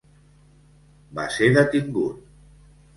Va ser detingut.